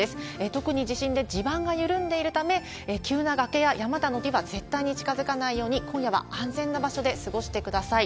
特に地震で地盤が緩んでいるため、急な崖や山などには絶対に近づかないように、今夜は安全な場所で過ごしてください。